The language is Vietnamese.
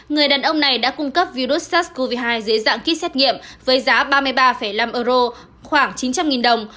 người đàn ông này đã cung cấp virus sars cov hai dưới dạng kýt xét nghiệm với giá ba mươi ba năm euro khoảng chín trăm linh đồng